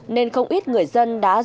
nên không ít người dân đã rút tiền